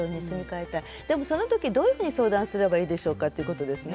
でもその時どういうふうに相談すればいいでしょうかっていうことですね。